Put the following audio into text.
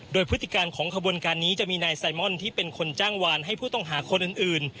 โดยพฤติการของขบวนการนี้จะมีนายไซมอนที่เป็นคนจ้างวานให้ผู้ต้องหาคนอื่น